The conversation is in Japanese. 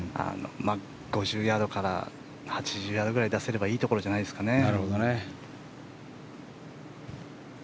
５０ヤードから８０ヤードくらいに出せればいいところじゃないですかね。